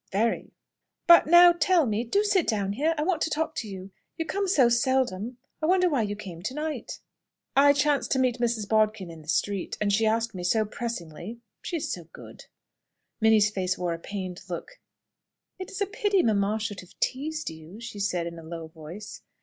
"Very." "But now, tell me do sit down here; I want to talk to you. You come so seldom. I wonder why you came to night?" "I chanced to meet Mrs. Bodkin in the street, and she asked me so pressingly she is so good!" Minnie's face wore a pained look. "It is a pity mamma should have teased you," she said, in a low voice.